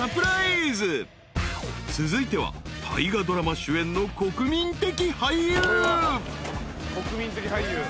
［続いては大河ドラマ主演の国民的俳優］